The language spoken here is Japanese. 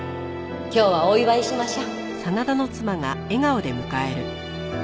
今日はお祝いしましょ。